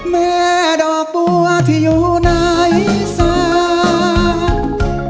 แม่ดอกบัวที่อยู่ในศาสตร์